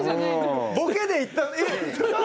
ボケで言った。